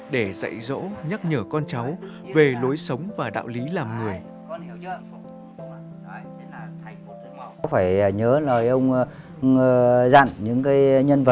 để dạy dỗ nhắc nhở con cháu về lối sống và đạo lý làm người